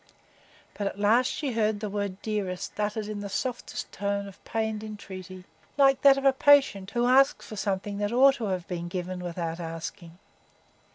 But at last she heard the word "dearest" uttered in the softest tone of pained entreaty, like that of a patient who asks for something that ought to have been given without asking.